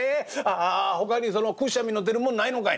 ほかにくっしゃみの出るもんないのんかい？」。